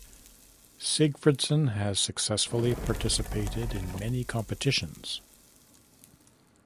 Sigfridsson has successfully participated in many competitions.